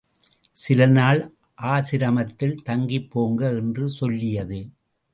சில நாள் ஆசிரமத்தில் தங்கிப் போங்க —என்று சொல்லியது.